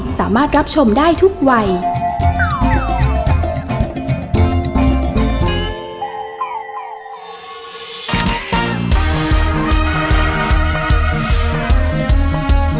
แม่บ้านประจันทร์บอล